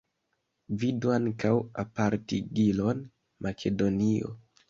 Vidu ankaŭ apartigilon Makedonio.